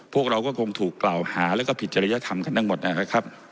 พวกเราก็คงถูกกล่าวหาแล้วก็ผิดจริยธรรมกันทั้งหมดนะครับ